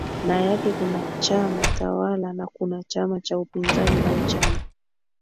na yake kuna chama tawala na kuna chama cha upinzani au chama